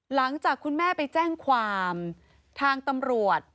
หลังจากคุณแม่ไปแจ้งความทางตำรวจ